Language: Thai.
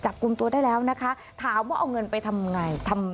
จับกลุ่มตัวได้แล้วนะคะถามว่าเอาเงินไปทำไงทำ